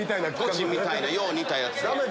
ゴチみたいなよう似たやつ。